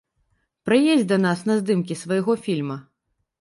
Прыедзь да нас на здымкі свайго фільма!